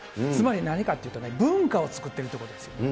つまり、何かっていうとね、文化を作ってるところですよ。